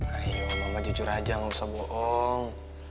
ayo mama jujur aja gak usah bohong